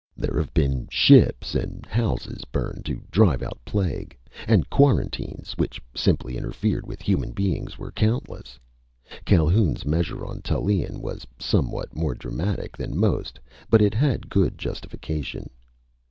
There have been ships and houses burned to drive out plague, and quarantines which simply interfered with human beings were countless. Calhoun's measure on Tallien was somewhat more dramatic than most, but it had good justification.